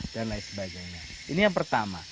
dan lain sebagainya ini yang pertama